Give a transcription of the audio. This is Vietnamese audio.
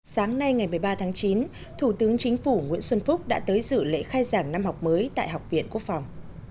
sáng nay ngày một mươi ba tháng chín thủ tướng chính phủ nguyễn xuân phúc đã tới dự lễ khai giảng năm học mới tại học viện quốc phòng